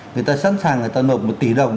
người ta sẵn sàng người ta nộp một tỷ đồng